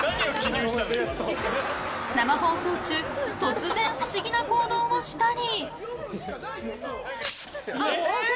生放送中、突然不思議な行動をしたり。